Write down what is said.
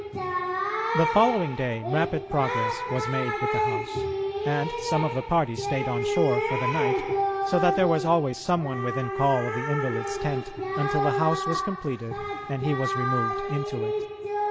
The following day rapid progress was made with the house, and some of the party stayed on shore for the night, so that there was always some one within call of the invalid's tent until the house was completed and he was removed into it.